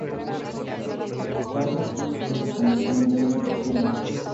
Project Kids" y se convirtió en miembro de "Hello!